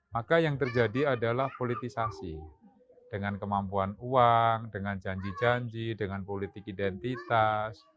maka yang terjadi adalah politisasi dengan kemampuan uang dengan janji janji dengan politik identitas